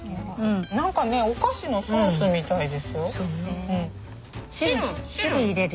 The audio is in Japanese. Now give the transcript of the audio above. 何かねお菓子のソースみたいですよ。